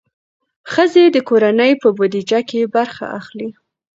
ښځې د کورنۍ په بودیجه کې برخه اخلي.